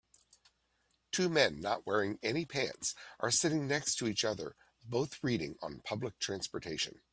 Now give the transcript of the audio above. Two men not wearing any pants are sitting next to each other both reading on public transportation